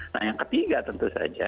nah yang ketiga tentu saja